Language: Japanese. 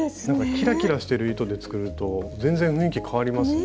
キラキラしてる糸で作ると全然雰囲気変わりますね。